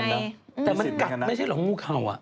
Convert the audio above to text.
นี่ใช่เหรองูเข้า